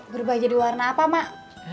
berubah jadi warna apa mak